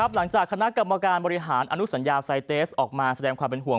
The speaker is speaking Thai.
หลังจากคณะกรรมการบริหารอนุสัญญาไซเตสออกมาแสดงความเป็นห่วง